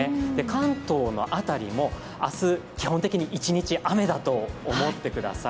関東の辺りも明日、基本的に一日雨だと思ってください。